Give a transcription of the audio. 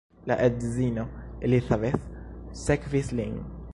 La edzino Elizabeth sekvis lin.